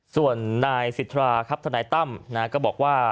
ส่วนนายสิทธาครับทนายตั้มก็บอกว่า